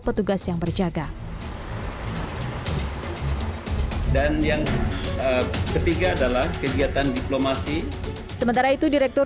petugas yang berjaga dan yang ketiga adalah kegiatan diplomasi sementara itu direktur